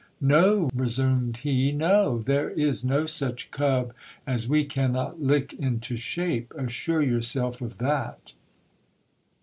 No, resumed he, no ; there is no such cub as we cannot lick into shape ; assure yourself of that.